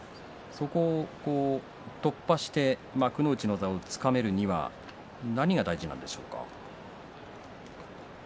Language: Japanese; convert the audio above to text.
そこを突破して幕内の座をつかめるには何が大事なんでしょうか。